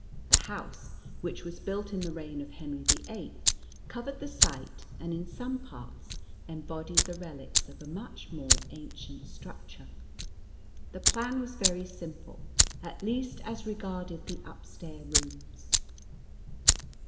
The house, which was built in the reign of Henry the Eighth, covered the site and in some parts embodied the relics of a much more ancient structure. The plan was very simple, at least as regarded the upstair rooms.